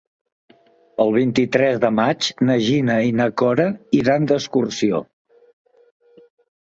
El vint-i-tres de maig na Gina i na Cora iran d'excursió.